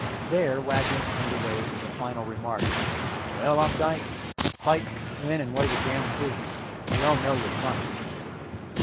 There Wagner turned away with the final remark, "Well, Opdycke, fight when and where you damn please; we all know you'll fight."